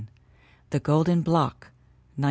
The Golden Block, 1918.